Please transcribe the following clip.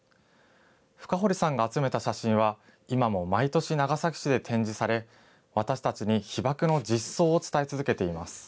深堀さんが集めた写真は、今も毎年長崎市で展示され、私たちに被爆の実相を伝え続けています。